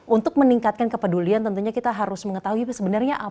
untuk meningkatkan kepedulian tentunya kita harus mengetahui sebenarnya apa